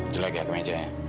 jelek ya kemeja ya